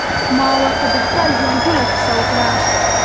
ما ورته د خپل ژوند ټوله کيسه وکړه.